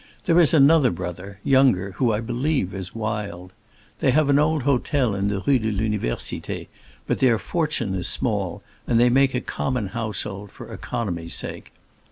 There is another brother, younger, who I believe is wild. They have an old hotel in the Rue de l'Université, but their fortune is small, and they make a common household, for economy's sake.